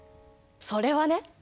それはね